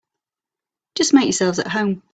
Just make yourselves at home.